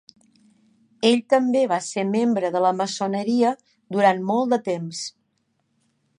Ell també va ser membre de la maçoneria durant molt de temps.